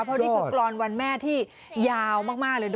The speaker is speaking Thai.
เพราะนี่คือกรอนวันแม่ที่ยาวมากเลยด้วย